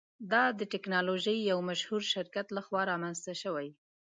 دا د ټیکنالوژۍ یو مشهور شرکت لخوا رامینځته شوی.